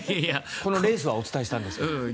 このレースはお伝えしたんですが。